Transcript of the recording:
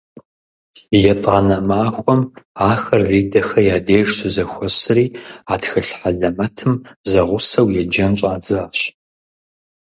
ЕтӀанэ махуэм ахэр Лидэхэ я деж щызэхуэсри а тхылъ хьэлэмэтым зэгъусэу еджэн щӀадзащ.